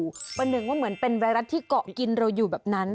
ประหนึ่งว่าเหมือนเป็นไวรัสที่เกาะกินเราอยู่แบบนั้น